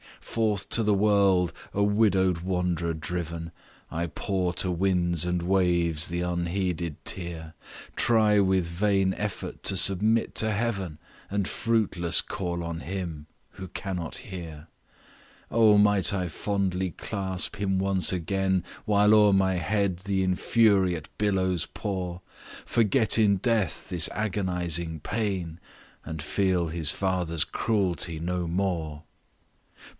"Forth to the world, a widow'd wanderer driven, I pour to winds and waves the unheeded tear, Try with vain effort to submit to Heaven, And fruitless call on him 'who cannot hear.' "Oh! might I fondly clasp him once again, While o'er my head the infuriate billows pour, Forget in death this agonizing pain, And feel his father's cruelty no more!